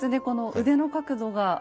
この腕の角度が。